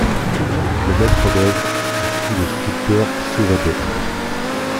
Le maître d'œuvre en fut le sculpteur Sauvadet.